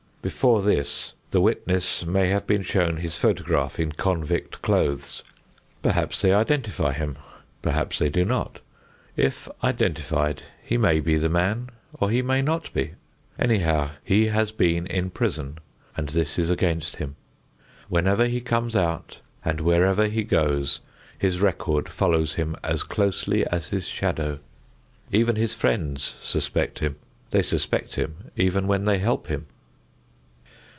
Before this, the witness may have been shown his photograph in convict clothes. Perhaps they identify him, perhaps they do not; if identified, he may be the man or he may not be. Anyhow, he has been in prison and this is against him. Whenever he comes out and wherever he goes, his record follows him as closely as his shadow. Even his friends suspect him. They suspect him even when they help him.